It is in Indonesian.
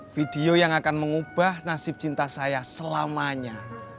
video yang akan mengubah nasib cinta saya selamanya